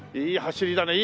いい走りだ。